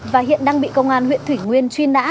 và hiện đang bị công an huyện thủy nguyên truy nã